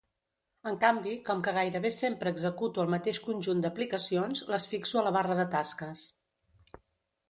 En canvi, com que gairebé sempre executo el mateix conjunt d'aplicacions, les fixo a la barra de tasques.